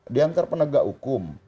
di antar penegak hukum